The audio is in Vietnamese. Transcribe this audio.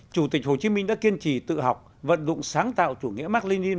chủ tịch hồ chí minh đã kiên trì tự học vận dụng sáng tạo chủ nghĩa mạc lê ninh